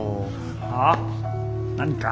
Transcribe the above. はあ？何か？